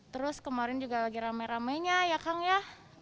terus kemarin juga lagi ramai ramainya ya kang ya